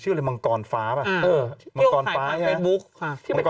ชื่ออะไรมังกรฟ้าป่ะมังกรฟ้าแฟ็กบุ๊กค่ะค่ะที่เป็นแฟ็กบุ๊ก